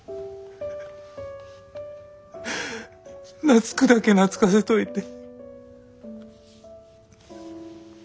懐くだけ懐かせといて。